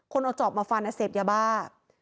คนอาจอบมาฟานอเศพยบาล